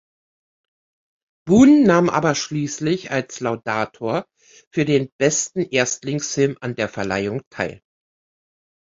Boon nahm aber schließlich als Laudator für den besten Erstlingsfilm an der Verleihung teil.